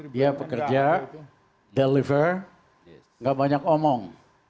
dia pekerja deliver nggak banyak omong